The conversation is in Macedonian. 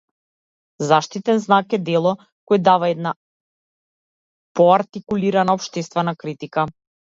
Заштитен знак е дело кое дава една поартикулирана општествена критика.